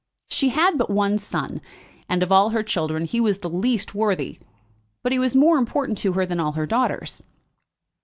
She had but one son, and of all her children he was the least worthy; but he was more important to her than all her daughters.